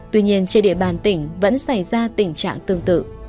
tuy nhiên trên địa bàn tỉnh vẫn xảy ra tình trạng tương tự